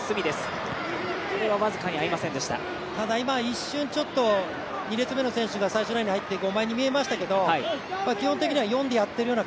今、一瞬、ちょっと２列目の選手が入って５枚に見えましたけど基本的には４でやってるような